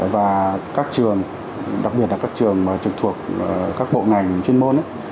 và các trường đặc biệt là các trường trực thuộc các bộ ngành chuyên môn